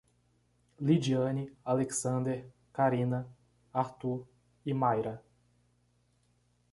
Lidiane, Alexander, Carina, Artu e Mayra